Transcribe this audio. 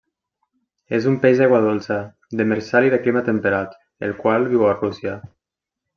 És un peix d'aigua dolça, demersal i de clima temperat, el qual viu a Rússia.